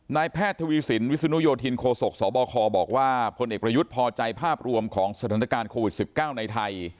นายแพทย์ทวีสินวิศนุโยธินโคศกสบคบอกว่าพลเอกประยุทธ์พอใจภาพรวมของสถานการณ์โควิด๑๙ในไทย